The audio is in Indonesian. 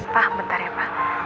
pak bentar ya pak